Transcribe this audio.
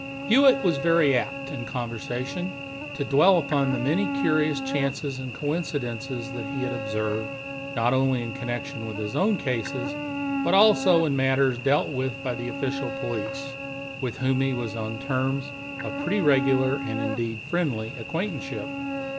Hewitt was very apt, in conversation, to dwell upon the many curious chances and coincidences that he had observed, not only in connection with his own cases, but also in matters dealt with by the official police, with whom he was on terms of pretty regular, and, indeed, friendly, acquaintanceship.